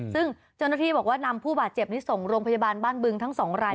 ซึ่งเจ้าหน้าที่บอกว่านำผู้บาดเจ็บนี้ส่งโรงพยาบาลบ้านบึงทั้ง๒ราย